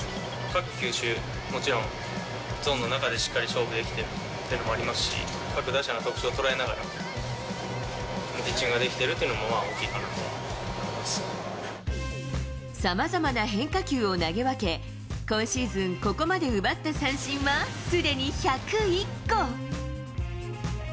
各球種、もちろんゾーンの中でしっかり勝負できてるっていうのもありますし、各打者の特徴を捉えながら、ピッチングができてるっていうのさまざまな変化球を投げ分け、今シーズンここまで奪った三振はすでに１０１個。